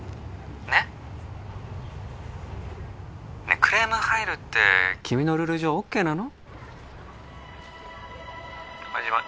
☎ねっ☎ねっクレームが入るって君のルール上ＯＫなの？